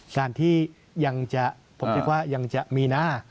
การที่ยังจะผมคิดว่ายังจะมีหน้า